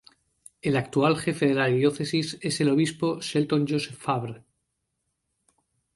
El actual jefe de la diócesis es el obispo Shelton Joseph Fabre.